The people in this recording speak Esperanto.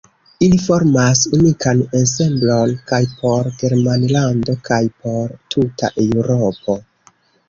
Ili formas unikan ensemblon kaj por Germanlando kaj por tuta Eŭropo.